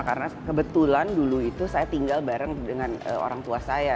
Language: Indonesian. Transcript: karena kebetulan dulu itu saya tinggal bareng dengan orang tua saya